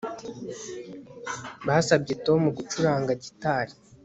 Basabye Tom gucuranga gitari